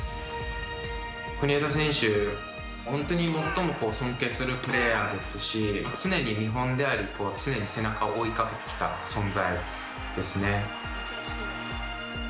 国枝選手、本当に最も尊敬するプレーヤーですし常に見本であり常に背中を追いかけてきた存在ですね。